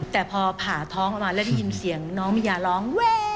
แต่พอผ่าท้องออกมาแล้วได้ยินเสียงน้องมียาร้อง